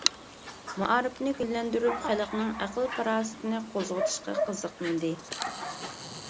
مائارىپنى گۈللەندۈرۈپ، خەلقنىڭ ئەقىل-پاراسىتىنى قوزغىتىشقا قىزىقمىدى.